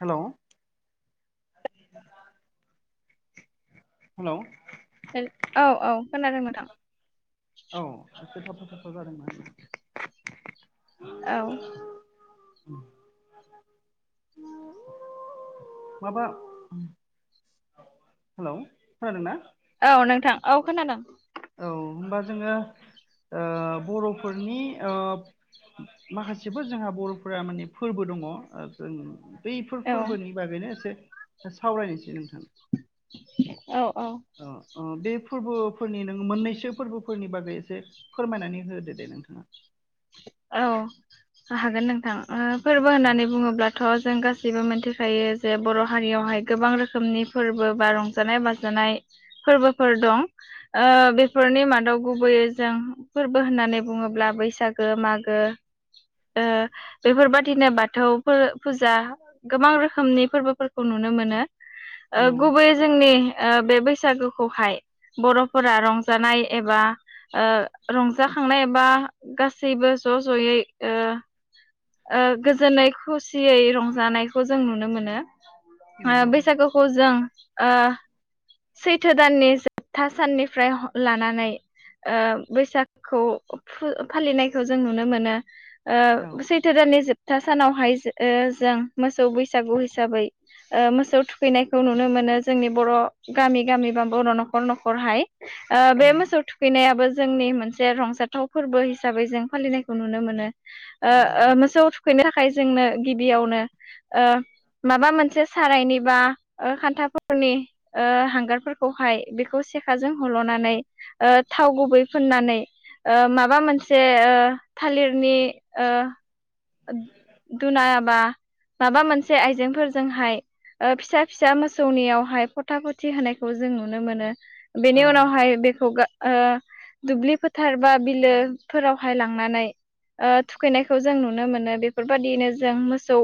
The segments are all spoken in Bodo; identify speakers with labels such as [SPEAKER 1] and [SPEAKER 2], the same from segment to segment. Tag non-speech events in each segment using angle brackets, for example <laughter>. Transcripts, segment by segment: [SPEAKER 1] हेलौ। हेलौ।
[SPEAKER 2] औ औ खोनादों नोंथां।
[SPEAKER 1] औ एसे थाबथा थाबथा जादोंना?
[SPEAKER 2] औ।
[SPEAKER 1] <inaudible> माबा हेलौ खोनादोंना?
[SPEAKER 2] औ नोंथां औ खोनादों।
[SPEAKER 1] औ होमबा जोङो ओ बर'फोरनि ओ माखासेबो जोंहा बरफोरा माने फोरबो दङ। बैफोर
[SPEAKER 2] औ
[SPEAKER 1] फोरबोनि बागैनो एसे सावरायनोसै नोंथां।
[SPEAKER 2] औ औ।
[SPEAKER 1] अ अ बे फोरबोफोरनि ननो मोननैसो फोरबोफोरनि बागै एसे फोरमायनानै होदो दे नोंथाङा।
[SPEAKER 2] औ हागोन नोंथां फोरबो
[SPEAKER 1] औ
[SPEAKER 2] होननानै बुङोब्लाथ'। जों गासैबो मोनथिखायो जे बर' हारियावहाय गोबां रोखोमनि फोरबो बा रंजानाय बाजानाय। फोरबोफोर दं। बेफोरनि मादाव गुबैयै जों फोरबो होननानै बुङोब्ला बैसागो। मागो मागो। बेफोरबादिनो बाथौ फुजा गोबां रोखोमनि फोरबोफोरखौ नुनो। नुनो मोनो
[SPEAKER 1] औ
[SPEAKER 2] गुबै जोंनि बे बैसागोखौहाय बर'फोरा रंजानाय एबा रंजाखांनाय एबा गासैबो ज' ज'यै गोजोनै खुसियै रंजानायखौ जों नुनो मोनो।
[SPEAKER 1] नंगौ
[SPEAKER 2] बैसागोखौ जों सैथो दाननि जोबथा साननिफ्राय लानानै बैसागखौ फालिनायखौ जों नुनो मोनो।
[SPEAKER 1] औ
[SPEAKER 2] सैथो दाननि जोबथा सानावहाय जों मोसौ बैसागु हिसाबै मोसौ थुखैनायखौ नुनो मोनो जोंनि बर' गामि गामि बा बर' न'खर न'खरहाय बे
[SPEAKER 1] नंगौ
[SPEAKER 2] मोसौ थुखैनायाबो जोंनि मोनसे रंजाथाव फोरबो हिसाबै जों फालिनायखौ नुनो मोनो
[SPEAKER 1] नंगौ
[SPEAKER 2] मोसौ थुखैनो थाखाय जोंनो गिबियावनो माबा मोनसे सारायनिबा खान्थाफोरनि हांगारफोरखौहाय बेखौ सेखाजों हल'नानै थाव गुबै फुननानै माबा मोनसे थालिरनि दुनायाबा माबा मोनसे आइजेंफोरजोंहाय फिसा फिसा मोसौनियावहाय फथा फथि होनायखौ जों नुनो मोनो।
[SPEAKER 1] औ
[SPEAKER 2] बेनि उनावहाय बेखौ दुब्लि फोथार बा बिलोफोरावहाय लांनानै थुखैनायखौ जों ननो मोनो बेफोरबायदिनो जों मोसौ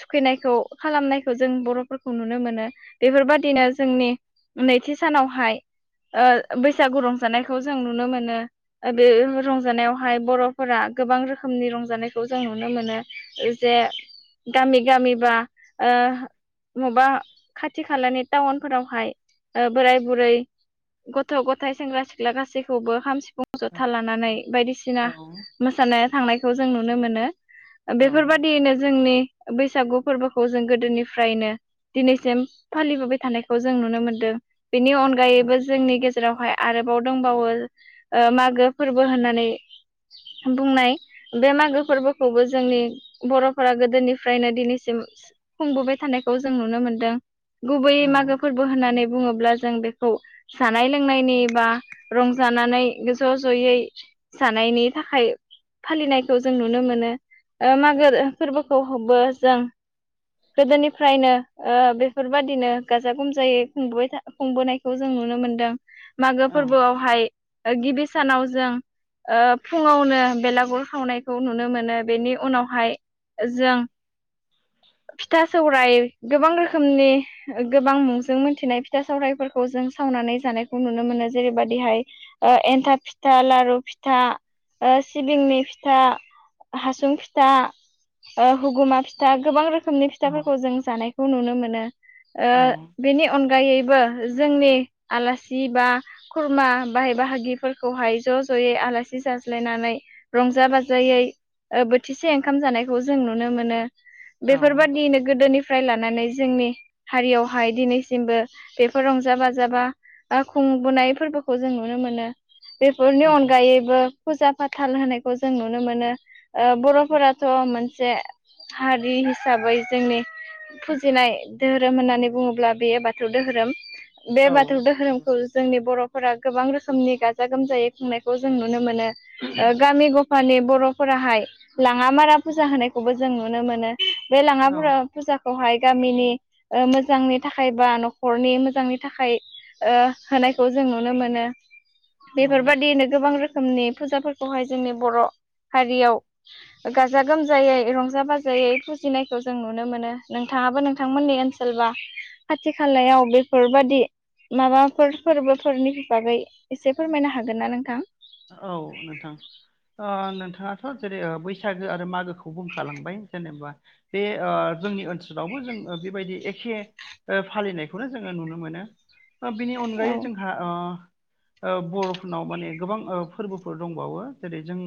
[SPEAKER 2] थुखैनायखौ खालामनायखौ जों बर'फोरखौ नुनो मोनो बेफोरबादिनो जोंनि। नैथि सानावहाय बैसागु रंजानायखौ जों नुनो मोनो बे रंजानायावहाय बर'फोरा गोबां रोखोमनि रंजानायखौ जों नुनो मोनो जे गामि गामिबा ओ मबेबा खाथि खालानि टाउनफोरावहाय बोराय बुरै। गथ' गथथाय सेंग्रा सिख्ला गासैखौबो हामसि सिफुं जथा लानानै बायदिसिना
[SPEAKER 1] औ
[SPEAKER 2] मोसानाया थांनायखौ जों नुनो मोनो।
[SPEAKER 1] औ
[SPEAKER 2] बेफोरबादियैनो जोंनि बैसागु फोरबोखौ जों गोदोनिफ्रायनो दिनैसिम फालिबोबाय थानायखौ जों नुनो मोनदों। बेनि अनगायैबो जोंनि गेजेरावहाय आरोबाव दंबावो मागो फोरबो होननानै नै बुंनाय <inaudible> खौ जों नुनो मोनदों गुबैयै
[SPEAKER 1] औ
[SPEAKER 2] मागो फोरबो होननानै बुङोब्ला जों बेखौ जानाय लोंनायनि बा रंजानानै ज' ज'यै थानाय थानायनि थाखाय फालिनायखौ जों नुनो मोनो मागो फोरबोखौबो जों गोदोनिफ्रायनो ओ‌ बेफोरबायदिनो गाजा गोमजायै खुंबोबाय थायो खुंबोनायखौ जों नुनो मोनदों। मागो
[SPEAKER 1] औ
[SPEAKER 2] फोरबोआवहाय गिबि सानाव जों ओ फुङावनो बेलागुर गुर सावनायखौ नुनो मोनो बेनि उनावहाय जों फिथा सौराइ गोबां रोखोमनि गोबां मुंजों मोनथिनाय फिथा सौवरायफोरखौ जों सावनानै जानायखौ नुनो मोनो। जेरैबायदिहाय एन्थाब फिथा लारु फिथा ओ सिबिंनि फिथा हासुं फिथा ओ हुगुमा फिथा गोबां रोखोम रोखोमनि
[SPEAKER 1] औ
[SPEAKER 2] फिथाफोरखौ जों जानायखौ नुनो मोनो ओ
[SPEAKER 1] औ
[SPEAKER 2] बेनि अनगायैबो जोंनि आलासि बा खुरमा बाहाय बाहागिफोरखौहाय ज' ज'यै आलासि जाज्लायनानै रंजा बाजायै ओ बोथिसे ओंखाम जानायखौ जों नुनो मोनो।
[SPEAKER 1] औ
[SPEAKER 2] बेफोरबायदियैनो गोदोनिफ्राय लानानै जोंनि हारियावहाय दिनैसिमबो बेफोर रंजा बाजा बा ओ खुंबोनाय फोरबोखौ जों नुनो मोनो। बेफोरनि
[SPEAKER 1] उम
[SPEAKER 2] अनगायैबो फुजा फाथाल होनाय खौ जों नुनो मोनो ओ बर'फोराथ' मोनसे हारि हिसाबै जोंनि फुजिनाय धोरोम होननानै बुङोब्ला बेयो बाथौ धोरोम। बे
[SPEAKER 1] औ
[SPEAKER 2] बाथौ धोरोमखौ जोंनि बर'फोरा गोबां रोखोमनि गाजा गोमजायै खुंनायखौ जों नु नो मोनो ओ गामि गफानि बर'फोराहाय लाङा मारा फुजा होनायखौबो जों नुनो मोनो। बे
[SPEAKER 1] औ
[SPEAKER 2] लाङाफारा फुजाखौहाय गामिनि ओ मोजांनि थाखाय बा न'खरनि मोजांनि थाखाय ओ होनायखौ जों नुनो मोनो
[SPEAKER 1] औ
[SPEAKER 2] बेफोरबायदियैनो गोबां रोखोमनि फुजाफोर खौहाय जोंनि बर' हारियाव गाजा गोमजायै रंजा बाजायै फुजिनायखौ जों नुनो मोनो नोंथां नोंथांआबो नोंथांमोननि ओनसोल बा खाथि खालायाव बेफोरबादि माबाफोर फोरबोफोरनि बागै एसे फोरमायनो हागोन ना नोंथां?
[SPEAKER 1] औ नोंथां ओ नोंथाङाथ' जेरै बैसागो आरो मागोखौ बुंखालांबाय जेनेबा बे ओ जोंनि ओनसोलावबो जों बेबायदि एखे फालिनायखौनो जोङो नुनो मोनो। ओ बिनि
[SPEAKER 2] औ
[SPEAKER 1] अनगायै जोंहा ओ ओ बर'फोरनाव माने गोबां ओ फोरबोफोर दंबावो जेरै जों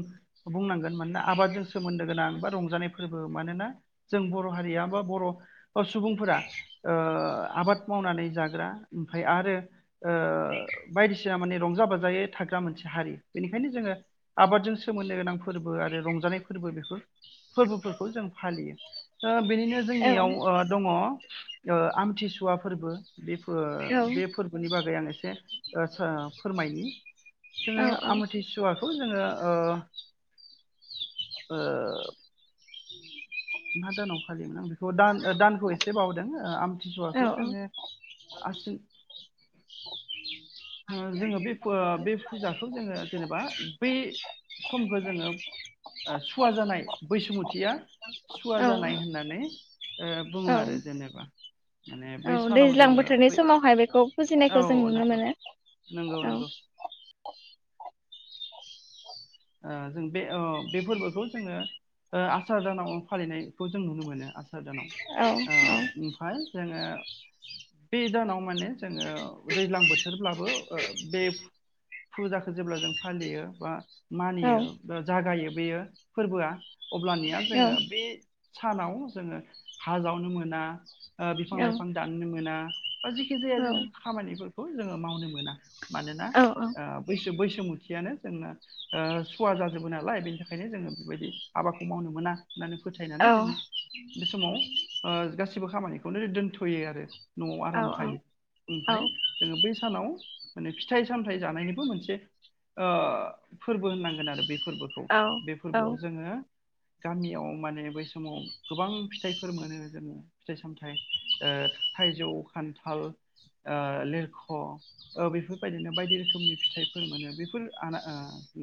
[SPEAKER 1] बुंनांगोन मानोना आबादजों सोमोन्दो गोनां बा रंजानाय फोरबो मानोना जों बर' हारिया बा बर' सुबुंफोरा ओ आबाद माव आबाद मावनानै जाग्रा ओमफ्राय आरो ओ बायदिसिना माने रंजा बाजायै थाग्रा जा मोनसे हारि बेनिखायनो जोङो आबादजों सोमोन्दो गोनां फोरबो आरो रंजानाय फोरबो बेफोर फोरबोफोरखौ जों फालियो ओ बेनिनो
[SPEAKER 2] औ
[SPEAKER 1] जोंनियाव अ दङ ओ आमथिसुवा फोर्बो। बेफोर
[SPEAKER 2] औ
[SPEAKER 1] बे फोरबोनि बागै आं एसे ओ फोरमायनि
[SPEAKER 2] औ
[SPEAKER 1] जोङो आमुथि सुवाखौ जोङो ओ ओ ओ मा दानाव फालियोमोन आं बिखौ द दान दानखौ एसे बावदों
[SPEAKER 2] औ
[SPEAKER 1] आमथिसुवाखौ जोङो आसिन <inaudible> ओ जोङो बे बे फुजाखौ जोङो जेनेबा बै समखौ जोङो सुवा जानाय बैसुमुतिया सुवा
[SPEAKER 2] औ
[SPEAKER 1] जानाय होननानै ओ बुङो
[SPEAKER 2] औ
[SPEAKER 1] आरो जेनेबा। माने बै
[SPEAKER 2] औ
[SPEAKER 1] सानाव
[SPEAKER 2] दैज्लां
[SPEAKER 1] जोङो
[SPEAKER 2] बोथोरनि
[SPEAKER 1] बै
[SPEAKER 2] समावहाय बेखौ फुजिनायखौ जों
[SPEAKER 1] औ
[SPEAKER 2] नुनो
[SPEAKER 1] नंगौ
[SPEAKER 2] मोनो।
[SPEAKER 1] नंगौ
[SPEAKER 2] औ
[SPEAKER 1] नंगौ। ओ जों बे ओ बे फोरबोखौ जोङो ओ आसार दानाव फालिनायखौ जों नुनो मोनो आसा आसार दानाव
[SPEAKER 2] औ
[SPEAKER 1] ओ ओमफ्राय जोङो बे दानाव माने जोंओ दैज्लां बोथोरब्लाबो बो ओ बे फुजाखौ जेब्ला जों फालियो बा
[SPEAKER 2] औ
[SPEAKER 1] मानियो ओ जागायो बेयो फोरबोआ अब्लानिया जोङो बे सानाव जोङो हा जावनो मोना
[SPEAKER 2] औ
[SPEAKER 1] बिफां-लाइफां दाननो मोना। बा जिखि जाया जों खामानिफोरखौ जोङो मावनो मोना मानोना
[SPEAKER 2] औ
[SPEAKER 1] बैसो बैसो - -मुथियानो जोंना आ सुवा जाजोबो नालाय बेनि थाखायनो जोङो बेबायदि हाबाखौ मावनो मोना होननानै फोथायनानै
[SPEAKER 2] औ
[SPEAKER 1] जोङो बे समाव आ गासिबो खामानिखौनो दोनथयो आरो नआव आराम
[SPEAKER 2] औ
[SPEAKER 1] थायो ओमफ्राय जोङो बे सानाव माने फिथाइ सामथाइ जानायनिबो मोनसे आ फोरबो होननांगोन आरो बे - फोरबोखौ
[SPEAKER 2] औ
[SPEAKER 1] बे फोरबोआव जोङो गामियाव माने बै समाव गोबां फिथाइफोर मोनो जोङो फिथाइ सामथाइ आ थाइजौ खान्थाल आ लिरख बेफोरबायदिनो बायदि रोखोमनि फिथाइफोर मोनो बेफोर आना आ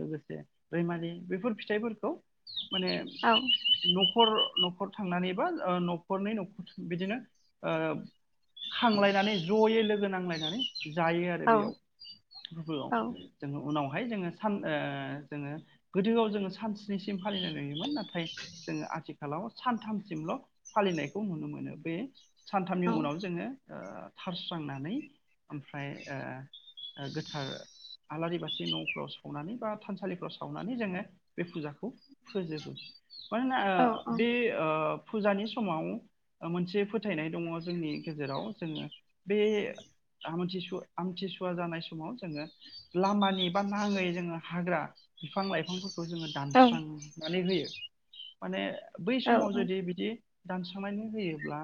[SPEAKER 1] लोगोसे रैमारि बेफोर फिथाइफोरखौ माने नखर नखर थांनानै बा नखरनि नख बिदिनो खांलायनानै जयै लोगो नांलायनानै जायो आरो बेयाव <unintelligible> जोङो उनावहाय जोङो सान आ जोङो गोदोआव जोङो सान सिनिसिम फालिनाय नुयोमोन नाथाय जोङो आथिखालाव सानथामसिमल फालिनायखौ नुनो मोनो बे सानथामनि
[SPEAKER 2] औ
[SPEAKER 1] उनाव जोङो आ थारस्रांनानै ओमफ्राय आ गोथार आलारि बाथि नफ्राव सा - -वनानै बा थानसालिफ्राव सावनानै जोङो बे फुजाखौ फोजोबो मानोना
[SPEAKER 2] औ औ
[SPEAKER 1] बे आ फुजानि समाव मोनसे फोथायनाय दङ जोंनि गेजेराव जोङो बे आमथिसुवा आमथिसुवा जानाय समाव जोङो लामानि बा नाङै जोङो हाग्रा बिफां लाइफांफोरखौ जोङो
[SPEAKER 2] औ
[SPEAKER 1] दानस्रांनानै होयो माने बै समाव
[SPEAKER 2] नोंथां
[SPEAKER 1] जुदि बिदि दानस्रांनानै होयोब्ला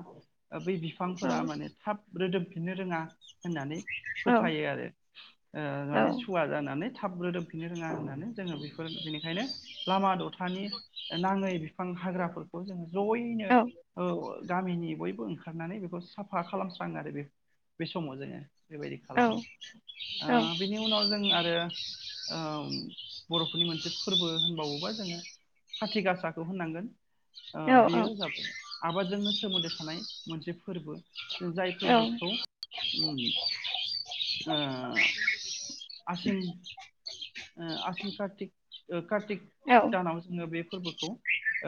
[SPEAKER 1] बै बिफांफोरा माने थाब रोदोमफिननो रोङा होननानै फोथायो आरो ओ
[SPEAKER 2] औ
[SPEAKER 1] माने सुवा जानानै थाब रोदोमफिननो रोङा होननानै जोङो बेफोर बेनिखायनो लामा दथा -नि नाङै बिफां हाग्राफोरखौ जोङो जयैनो गामिनि बयबो ओंखारनानै बेखौ साफा खालामस्राङो आरो बे बे समाव जोङो बेबायदि खालामो आ बेनि उनाव जों आरो आम बरफोरनि मोनसे फोरबो होनबावोबा जोङो खाथि गासाखौ होननांगोन आ बेयो जाबाय आबादजोंनो सोमोन्दो थानाय मोनसे फोरबो जाय फोरबोखौ उम आ आसिन आ आसिन कार्तिक कार्तिक दानाव जोङो बे फोरबोखौ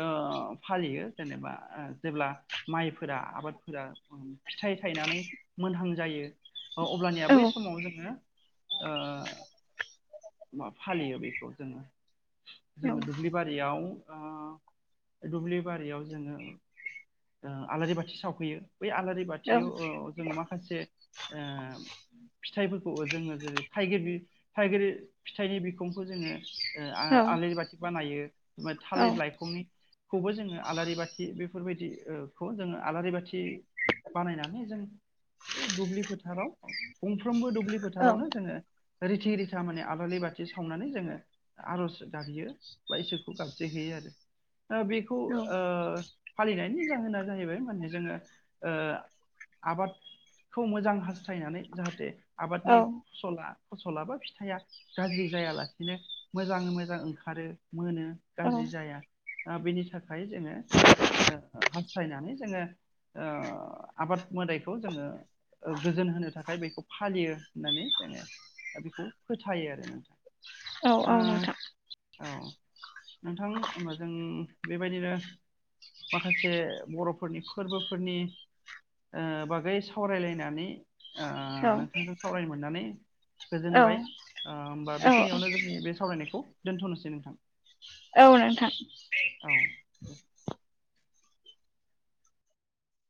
[SPEAKER 1] ओ फालियो जेनेबा जेब्ला माइफोरा आबादफोरा फिथाइ थायनानै मोनहां जायो अब्लानिया बै समाव जोङो ओ मा फालियो बेखौ जोङो जोङो दुब्लि बारियाव आ दुब्लि बारियाव जोङो आलारि बाथि सावफैयो बै आलारि बाथियाव जों माखासे आ फिथाइफोरखौ जोङो जेरै थाइगिर थाइगिर फिथाइनि बिखंखौ जोङो आलारि बाथि बानायो
[SPEAKER 2] औ
[SPEAKER 1] थालिर लाइखंनि -खौबो जोङो आलारि बाथि बेफोरबायदि -खौ जोङो आलारि बाथि बानायनानै जों दुब्लि फोथाराव गंफ्रोमबो दुब्लि फोथारावनो जोङो रिथि रिथा माने आलारि बाथि सावनानै जोङो आरज गाबहैयो बा इसोरखौ गाबज्रिहैयो बेखौ आ फालिनाय -नि जाहोना जाहैबाय माने जोङो ओ आबादखौ मोजां हास्थायनानै जाहाथे आबादनि फसला फसलाबा फिथाइआ गाज्रि जायालासेनो मोजाङै मोजां ओंखारो मोनो गाज्रि जाया ओ बेनि थाखाय जोङो ओ हास्थायनानै जोङो ओ आबाद मोदायखौ जोङो गोजोन होनो थाखाय बेखौ फालियो होननानै जोङो दा बेखौ फोथायो आरो नोंथां ओ
[SPEAKER 2] औ-औ नोंथां
[SPEAKER 1] औ नोंथां होमबा जों बेबायदिनो माखासे बर'फोरनि फोरबोफोरनि ओ बागै सावरायलायनानै ओ नोंथांजों सावरायनो मोननानै गोजोनबाय ओ होमबा बेखिनियावनो जोंनि बे सावरायनायखौ दोन्थ'नोसै नोंथां
[SPEAKER 2] औ नोंथां
[SPEAKER 1] औ